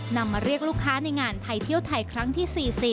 มาเรียกลูกค้าในงานไทยเที่ยวไทยครั้งที่๔๐